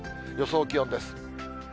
予想気温です。